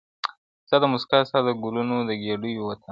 ستا د موسکا- ستا د ګلونو د ګېډیو وطن-